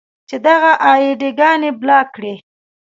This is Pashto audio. چې دغه اې ډي ګانې بلاک کړئ.